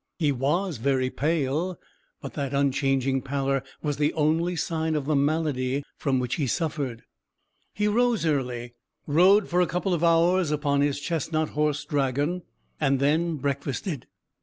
He was very pale: but that unchanging pallor was the only sign of the malady from which he suffered. He rose early, rode for a couple of hours upon his chestnut horse Dragon, and then breakfasted.